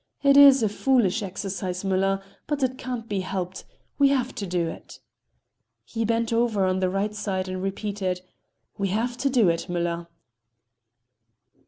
It is a foolish exercise, Müller, but it can't be helped,—we have to do it." He bent over on the right side and repeated: "We have to do it, Müller."